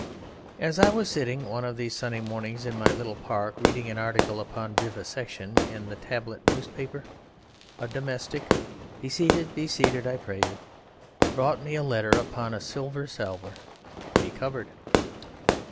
As I was sitting one of these sunny mornings in my little Park, reading an article upon vivisection in the Tablet newspaper, a Domestic [Be seated, be seated, I pray you!] brought me a letter upon a Silver Salver [Be covered!